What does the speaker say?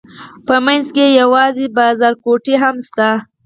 په منځ کې یې یو بازارګوټی هم شته.